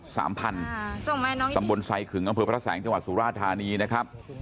สมมวลไซขึงอำเภอพระแสงจังหวัดสุราษฎร์ธานีนะครับ